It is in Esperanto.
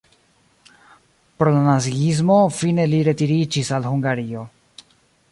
Pro la naziismo fine li retiriĝis al Hungario.